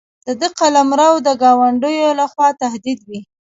د ده قلمرو د ګاونډیو له خوا تهدید وي.